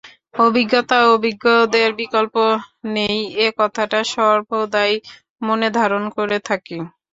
অভিজ্ঞতা ও অভিজ্ঞদের বিকল্প নেই - এ কথাটা সর্বদাই মনে ধারন করে থাকি।